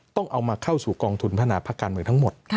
ต้องเอามาเข้าสู่กองทุนพัฒนาภาคการเมืองทั้งหมด